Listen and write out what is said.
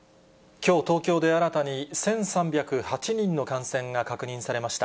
きょう、東京で新たに１３０８人の感染が確認されました。